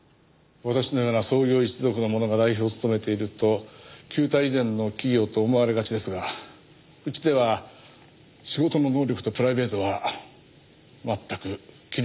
私のような創業一族の者が代表を務めていると旧態依然の企業と思われがちですがうちでは仕事の能力とプライベートは全く切り離しています。